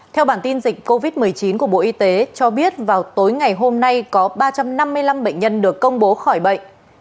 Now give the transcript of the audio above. theo bản tin dịch covid một mươi chín của bộ y tế cho biết vào tối ngày hôm nay có ba trăm năm mươi năm bệnh nhân được công bố khỏi bệnh